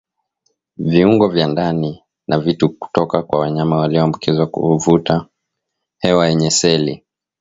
viungo vya ndani na vitu kutoka kwa wanyama walioambukizwa kuvuta hewa yenye seli